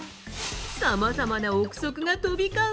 さまざまな憶測が飛び交う